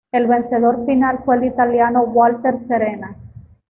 El vencedor final fue el italiano Walter Serena.